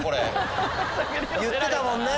言ってたもんね。